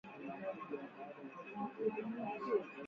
hakikisha umemenya viazi kabla ya kupika